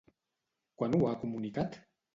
Quan ho ha comunicat?